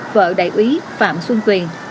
vợ đại ý phạm xuân quỳnh